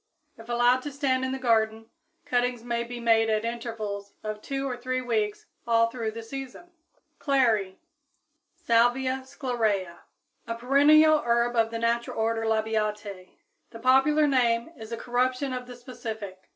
If allowed to stand in the garden, cuttings may be made at intervals of two or three weeks all through the season. =Clary= (Salvia sclarea, Linn.), a perennial herb of the natural order Labiatæ. The popular name is a corruption of the specific.